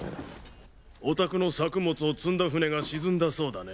お宅の作物を積んだ船が沈んだそうだね。